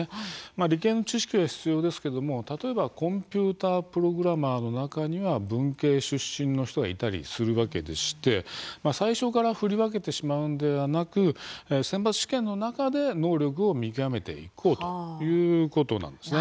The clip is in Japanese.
理系の知識は必要ですが例えばコンピューターのプログラマーの中には文系出身の人がいたりするわけでして最初から振り分けてしまうのではなく選抜試験の中で能力を見極めていこうということなんです。